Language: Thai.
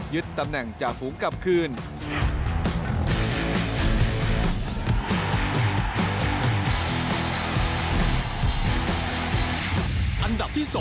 ยึดตำแหน่งจากภูมิกลับคืน